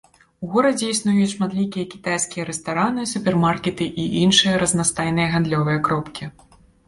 У горадзе існуюць шматлікія кітайскія рэстараны, супермаркеты і іншыя разнастайныя гандлёвыя кропкі.